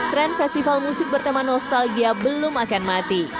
tren festival musik bertema nostalgia belum akan mati